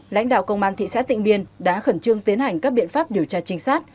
lãnh đạo công an thị xã tịnh biên đã khẩn trương tiến hành các biện pháp điều tra trinh sát